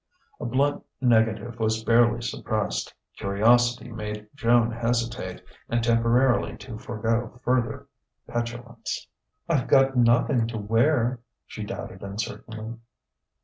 A blunt negative was barely suppressed. Curiosity made Joan hesitate, and temporarily to forego further petulance. "I've got nothing to wear," she doubted uncertainly.